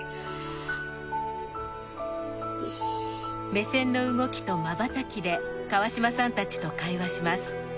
目線の動きとまばたきで川島さんたちと会話します。